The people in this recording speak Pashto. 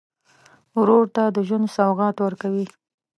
ورور ته د ژوند سوغات ورکوې.